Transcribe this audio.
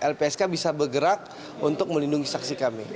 lpsk bisa bergerak untuk melindungi saksi kami